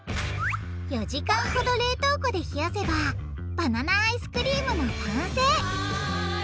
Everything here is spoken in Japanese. ４時間ほど冷凍庫で冷やせばバナナアイスクリームの完成！